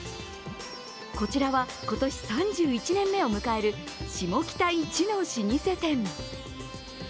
こちらは今年３１年目を迎えるシモキタいちの老舗店。